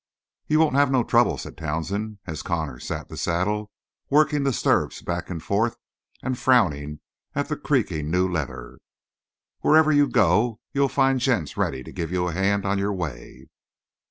"You won't have no trouble," said Townsend, as Connor sat the saddle, working the stirrups back and forth and frowning at the creaking new leather. "Wherever you go you'll find gents ready to give you a hand on your way."